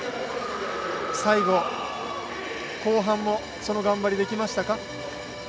最後、後半もその頑張りできましたか？